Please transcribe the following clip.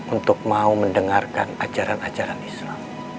untuk mau mendengarkan ajaran ajaran islam